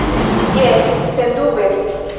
Jes, sendube.